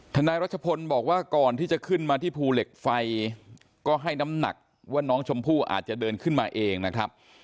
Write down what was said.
นายรัชพลบอกว่าก่อนที่จะขึ้นมาที่ภูเหล็กไฟก็ให้น้ำหนักว่าน้องชมพู่อาจจะเดินขึ้นมาเองนะครับ